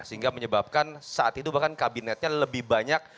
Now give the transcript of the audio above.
sehingga menyebabkan saat itu bahkan kabinetnya lebih banyak